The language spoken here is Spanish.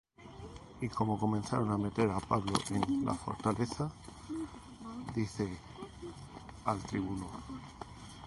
Y como comenzaron á meter á Pablo en la fortaleza, dice al tribuno: